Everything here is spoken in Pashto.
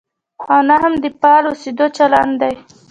او نه هم د فعال اوسېدو چلند دی.